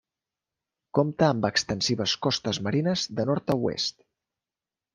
Compta amb extensives costes marines de nord a oest.